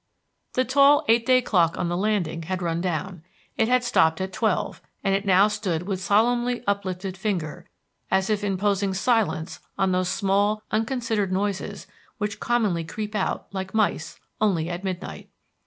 The tall eight day clock on the landing had run down. It had stopped at twelve, and it now stood with solemnly uplifted finger, as if imposing silence on those small, unconsidered noises which commonly creep out, like mice, only at midnight.